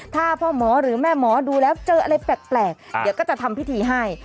ถ้าพ่อหมอหรือแม่หมอดูแล้วเจออะไรแปลกเดี๋ยวก็จะทำพิธีให้